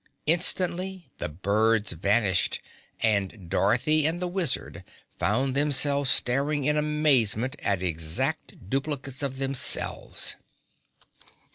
Instantly the birds vanished, and Dorothy and the Wizard found themselves staring in amazement at exact duplicates of themselves!